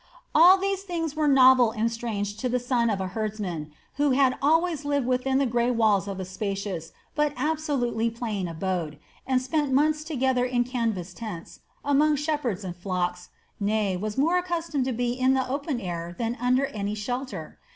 All these things were novel and strange to the son of a herdsman who had always lived within the grey walls of a spacious, but absolutely plain abode, and spent months together in canvas tents among shepherds and flocks, nay was more accustomed to be in the open air than under any shelter!